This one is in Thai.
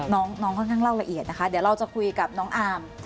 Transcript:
น้องค่อนข้างเล่าละเอียดนะคะเดี๋ยวเราจะคุยกับน้องอาร์ม